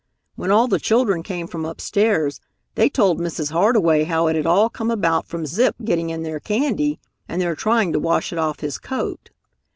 When all the children came from upstairs, they told Mrs. Hardway how it had all come about from Zip getting in their candy and their trying to wash it off his coat.